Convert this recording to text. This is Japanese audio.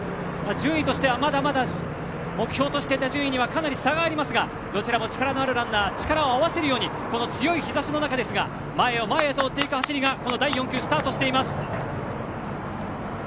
順位としてはまだまだかなり差がありますがどちらも力のあるランナー力を合わせるようにこの強い日差しの中ですが前へ前へ追っていく走りがスタートしています。